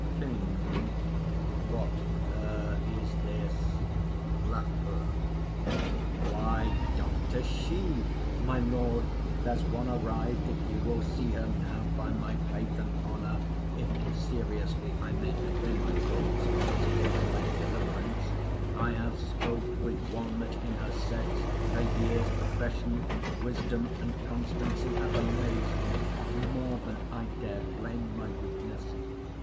KING. What 'her' is this? LAFEW. Why, doctor 'she'! My lord, there's one arriv'd, If you will see her. Now, by my faith and honour, If seriously I may convey my thoughts In this my light deliverance, I have spoke With one that in her sex, her years, profession, Wisdom, and constancy, hath amaz'd me more Than I dare blame my weakness.